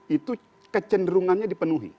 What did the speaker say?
itu kecenderungannya dipenuhi